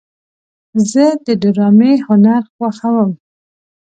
زه د ډرامې هنر خوښوم.